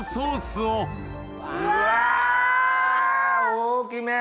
大きめ！